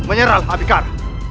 kau menyerah abikar